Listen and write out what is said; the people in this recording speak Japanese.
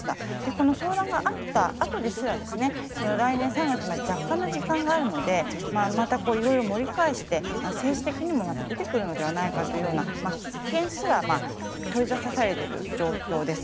この騒乱があったあとですら来年３月まで若干の時間があるのでまた、いろいろ盛り返して政治的にも出てくるのではないかという危険すら取りざたされている状況です。